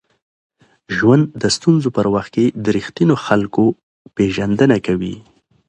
ژوند د ستونزو پر وخت د ریښتینو خلکو پېژندنه کوي.